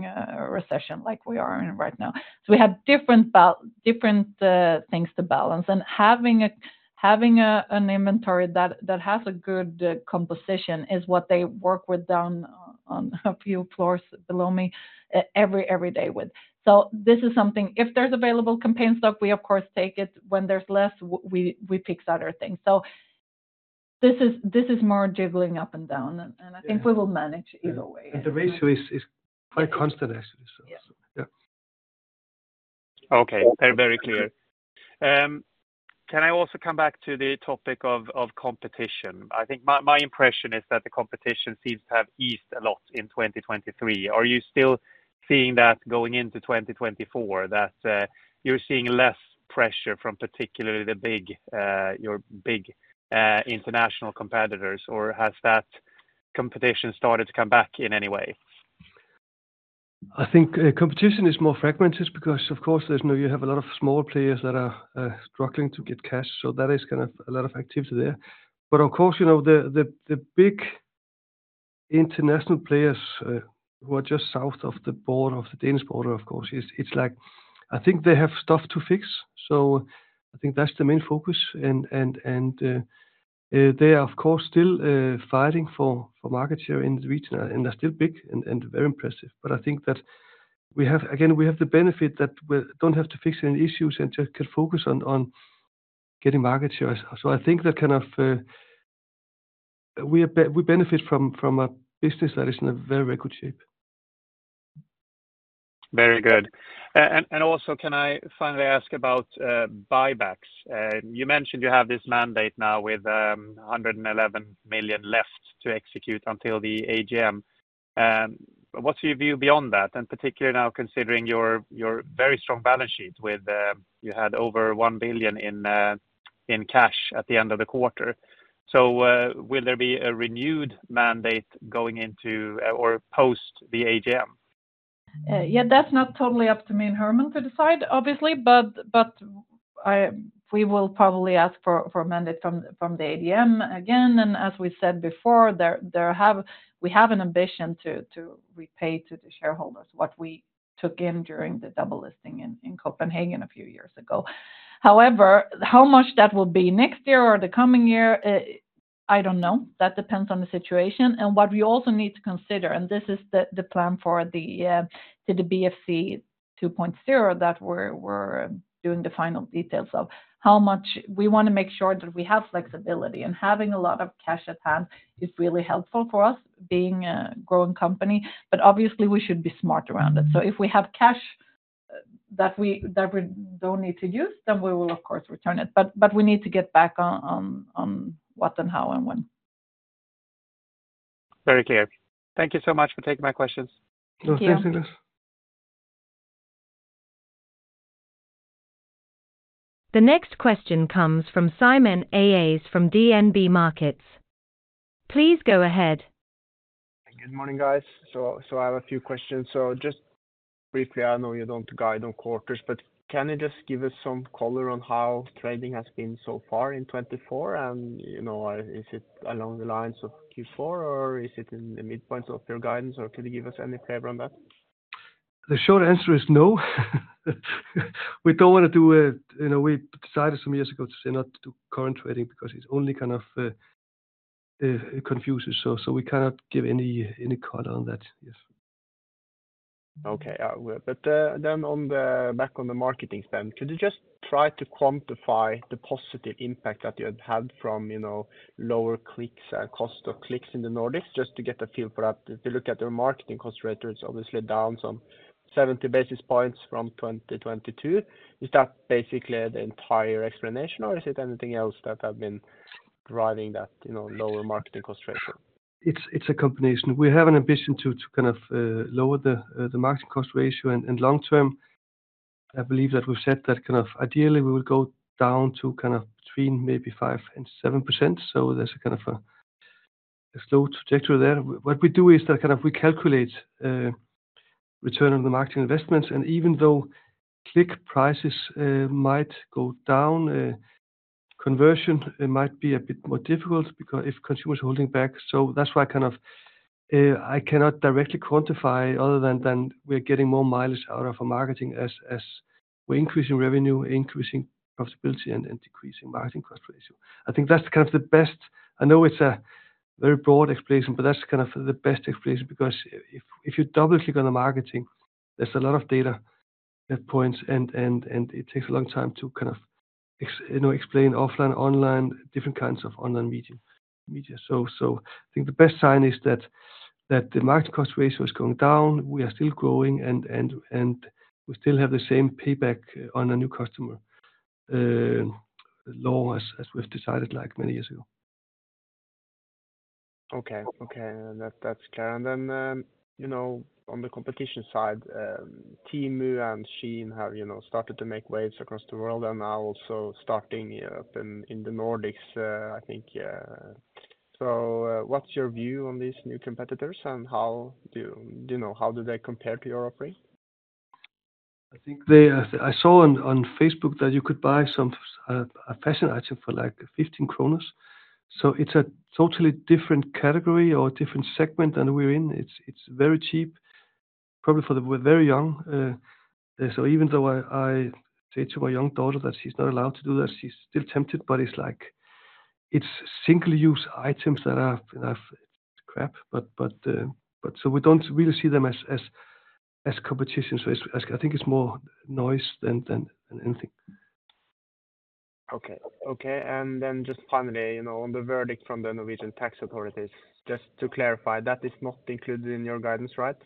a recession like we are in right now. So we have different things to balance. And having an inventory that has a good composition is what they work with down on a few floors below me every day with. So this is something if there's available campaign stock, we of course take it. When there's less, we, we pick other things. So this is, this is more jiggling up and down, and I think we will manage either way. The ratio is quite constant, actually. Yeah. Yeah. Okay, very clear. Can I also come back to the topic of competition? I think my impression is that the competition seems to have eased a lot in 2023. Are you still seeing that going into 2024, that you're seeing less pressure from particularly the big your big international competitors, or has that competition started to come back in any way? I think competition is more fragmented because, of course, you have a lot of small players that are struggling to get cash, so that is kind of a lot of activity there. But of course, you know, the big international players who are just south of the border, of the Danish border, of course, it's like, I think they have stuff to fix. So I think that's the main focus, and they are, of course, still fighting for market share in the region, and they're still big and very impressive. But I think that we have, again, we have the benefit that we don't have to fix any issues and just can focus on getting market share. So I think that kind of, we benefit from, from a business that is in a very, very good shape. Very good. And also, can I finally ask about buybacks? You mentioned you have this mandate now with 111 million left to execute until the AGM. What's your view beyond that? And particularly now, considering your very strong balance sheet with you had over 1 billion in cash at the end of the quarter. So, will there be a renewed mandate going into or post the AGM? Yeah, that's not totally up to me and Hermann to decide, obviously, but I—we will probably ask for a mandate from the AGM again. And as we said before, we have an ambition to repay to the shareholders what we took in during the double listing in Copenhagen a few years ago. However, how much that will be next year or the coming year, I don't know. That depends on the situation and what we also need to consider, and this is the plan for the BFC 2.0, that we're doing the final details of how much we wanna make sure that we have flexibility. And having a lot of cash at hand is really helpful for us being a growing company, but obviously, we should be smart around it. If we have cash that we don't need to use, then we will, of course, return it. But we need to get back on what and how and when. Very clear. Thank you so much for taking my questions. Thank you. Thanks, Niklas. The next question comes from Simen Aas from DNB Markets. Please go ahead.... Good morning, guys. So, I have a few questions. So just briefly, I know you don't guide on quarters, but can you just give us some color on how trading has been so far in 2024? And, you know, is it along the lines of Q4, or is it in the midpoint of your guidance, or can you give us any flavor on that? The short answer is no. We don't wanna do it. You know, we decided some years ago to say not to do current trading because it's only kind of confuses. So we cannot give any color on that. Yes. Okay, but then back on the marketing spend, could you just try to quantify the positive impact that you had had from, you know, lower clicks and cost of clicks in the Nordics, just to get a feel for that? If you look at their marketing cost ratio, it's obviously down some 70 basis points from 2022. Is that basically the entire explanation, or is it anything else that have been driving that, you know, lower marketing cost ratio? It's a combination. We have an ambition to kind of lower the marketing cost ratio, and long term, I believe that we've said that kind of ideally, we will go down to kind of between maybe 5%-7%, so there's a kind of a slow trajectory there. What we do is that kind of we calculate return on the marketing investments, and even though click prices might go down, conversion it might be a bit more difficult because if consumers are holding back, so that's why kind of I cannot directly quantify other than we're getting more mileage out of our marketing as we're increasing revenue, increasing profitability, and decreasing marketing cost ratio. I think that's kind of the best... I know it's a very broad explanation, but that's kind of the best explanation, because if you double-click on the marketing, there's a lot of data that points and it takes a long time to kind of, you know, explain offline, online, different kinds of online media, media. So I think the best sign is that the marketing cost ratio is going down, we are still growing, and we still have the same payback on a new customer, low as we've decided, like many years ago. Okay, okay, that's clear. Then, you know, on the competition side, Temu and Shein have, you know, started to make waves across the world and now also starting up in the Nordics, I think, yeah. So, what's your view on these new competitors, and how do you know, how do they compare to your offering? I think they. I saw on Facebook that you could buy some a fashion item for, like, 15 kronor. So it's a totally different category or different segment than we're in. It's very cheap, probably for the very young, so even though I say to my young daughter that she's not allowed to do that, she's still tempted, but it's like, it's single-use items that are crap, but so we don't really see them as competition. So it's, I think it's more noise than anything. Okay, okay, and then just finally, you know, on the verdict from the Norwegian tax authorities, just to clarify, that is not included in your guidance, right?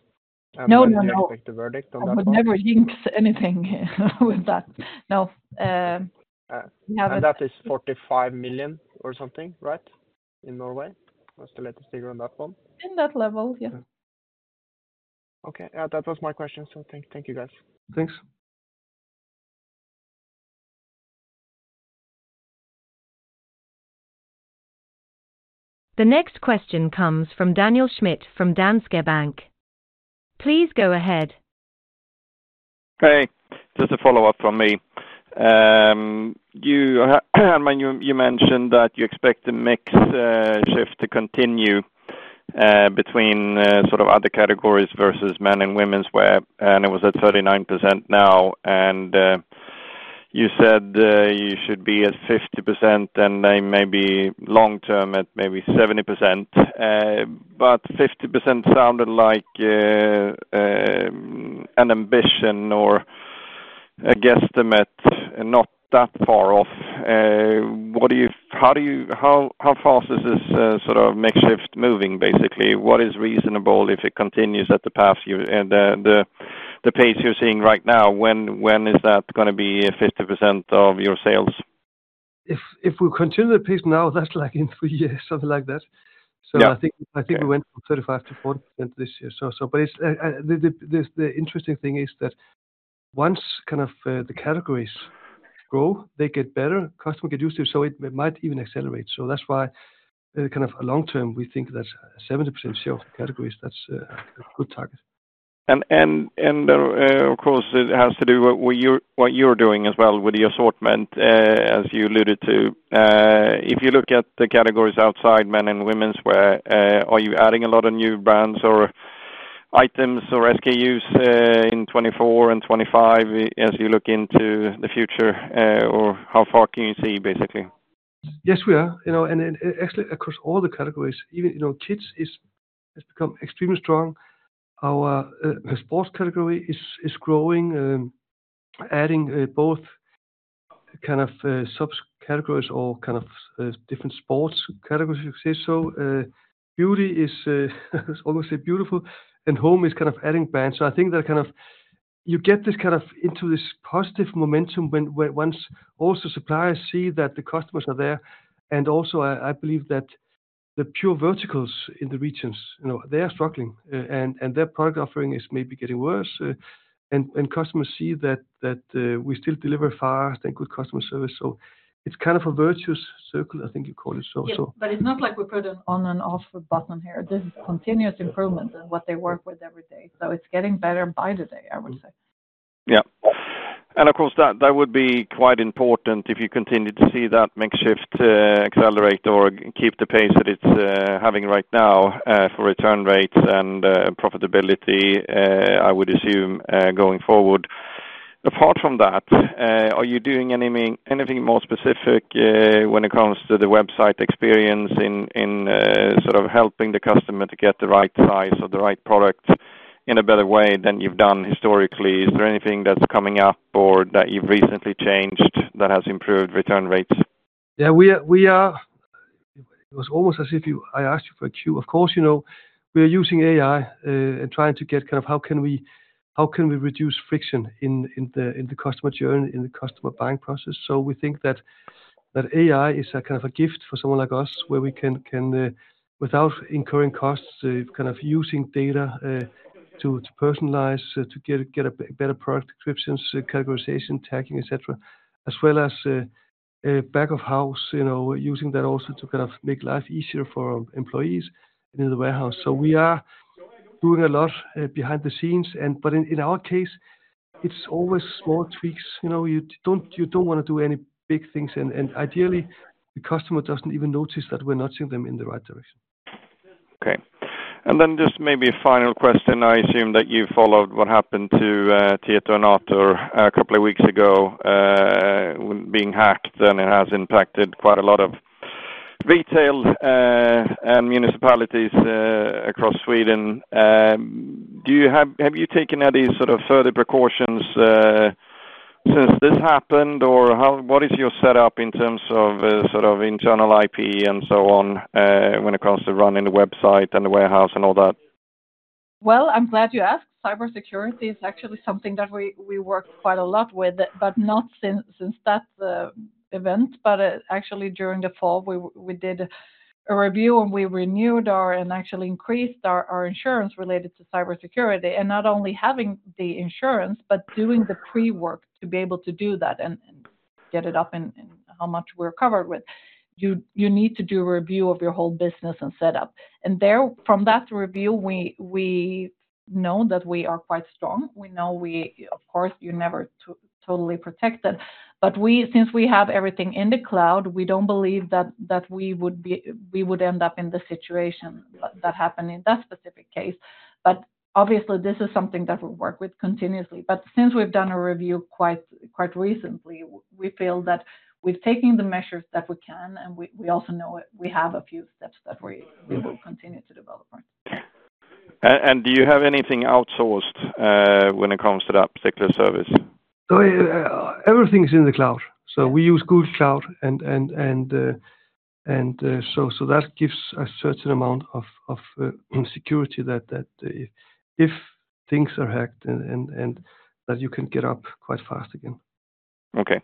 No, no, no. The verdict on that one. I would never jinx anything with that. No, yeah, but- That is 45 million or something, right? In Norway. What's the latest figure on that one? In that level, yeah. Okay, that was my question. So thank you, guys. Thanks. The next question comes from Daniel Schmidt, from Danske Bank. Please go ahead. Hey, just a follow-up from me. You mentioned that you expect the mix shift to continue between sort of other categories versus men and women's wear, and it was at 39% now, and you said you should be at 50% and then maybe long term at maybe 70%, but 50% sounded like an ambition or a guesstimate, and not that far off. What do you—how do you—how fast is this sort of mix shift moving, basically? What is reasonable if it continues at the path you and the pace you're seeing right now, when is that gonna be 50% of your sales? If we continue the pace now, that's like in three years, something like that. Yeah. So I think we went from 35% to 40% this year. So but it's the interesting thing is that once kind of the categories grow, they get better, customer get used to it, so it might even accelerate. So that's why, kind of long term, we think that 70% share of categories, that's a good target. Of course, it has to do with what you're doing as well with the assortment, as you alluded to. If you look at the categories outside men and women's wear, are you adding a lot of new brands or items or SKUs in 2024 and 2025 as you look into the future, or how far can you see, basically? Yes, we are. You know, and actually, across all the categories, even, you know, kids has become extremely strong. Our sports category is growing, adding both kind of subcategories or kind of different sports categories, if you say so. Beauty is almost beautiful, and home is kind of adding brands. So I think that kind of... You get this kind of into this positive momentum when once also suppliers see that the customers are there, and also, I believe that the pure verticals in the regions, you know, they are struggling, and their product offering is maybe getting worse, and customers see that we still deliver fast and good customer service. So it's kind of a virtuous circle, I think you call it so, so- Yeah, but it's not like we put an on and off button here. This is continuous improvement in what they work with every day, so it's getting better by the day, I would say. ... Yeah. Of course, that would be quite important if you continue to see that mix shift accelerate or keep the pace that it's having right now for return rates and profitability, I would assume, going forward. Apart from that, are you doing anything more specific when it comes to the website experience in sort of helping the customer to get the right size or the right product in a better way than you've done historically? Is there anything that's coming up or that you've recently changed that has improved return rates? Yeah, we are. It was almost as if you, I asked you for a cue. Of course, you know, we are using AI and trying to get kind of how can we reduce friction in the customer journey, in the customer buying process? So we think that AI is a kind of a gift for someone like us, where we can, without incurring costs, kind of using data to personalize, to get better product descriptions, categorization, tagging, et cetera. As well as back-of-house, you know, using that also to kind of make life easier for our employees in the warehouse. So we are doing a lot behind the scenes and—but in our case, it's always small tweaks. You know, you don't wanna do any big things, and ideally, the customer doesn't even notice that we're nudging them in the right direction. Okay. And then just maybe a final question. I assume that you followed what happened to Tietoevry a couple of weeks ago, being hacked, and it has impacted quite a lot of retail and municipalities across Sweden. Do you have you taken any sort of further precautions since this happened? Or what is your setup in terms of sort of internal IP and so on, when it comes to running the website and the warehouse and all that? Well, I'm glad you asked. Cybersecurity is actually something that we work quite a lot with, but not since that event. But actually, during the fall, we did a review, and we renewed and actually increased our insurance related to cybersecurity. And not only having the insurance, but doing the pre-work to be able to do that and get it up and how much we're covered with. You need to do a review of your whole business and setup. And there, from that review, we know that we are quite strong. We know of course, you're never totally protected, but since we have everything in the cloud, we don't believe that we would end up in the situation that happened in that specific case. But obviously, this is something that we work with continuously. But since we've done a review quite recently, we feel that we've taken the measures that we can, and we also know we have a few steps that we will continue to develop on. And do you have anything outsourced, when it comes to that particular service? So, everything is in the cloud. So we use Google Cloud, and so that gives a certain amount of security that if things are hacked and that you can get up quite fast again. Okay.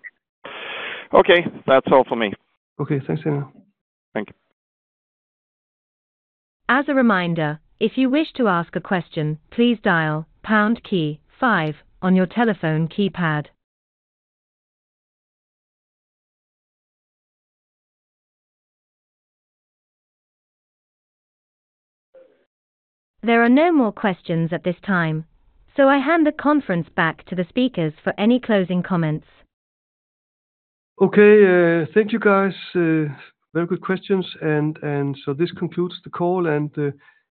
Okay, that's all for me. Okay, thanks, Daniel. Thank you. As a reminder, if you wish to ask a question, please dial pound key five on your telephone keypad. There are no more questions at this time, so I hand the conference back to the speakers for any closing comments. Okay, thank you, guys. Very good questions, and so this concludes the call, and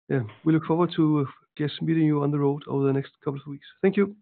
yeah, we look forward to just meeting you on the road over the next couple of weeks. Thank you.